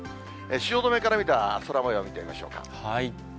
汐留から見た空もよう見てみましょうか。